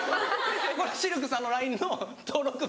シルクさんのＬＩＮＥの登録名が。